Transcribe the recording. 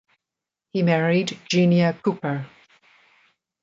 He married Genia Kuper.